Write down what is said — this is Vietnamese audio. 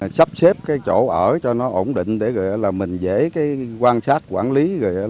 sắp xếp cái chỗ ở cho nó ổn định để mình dễ quan sát quản lý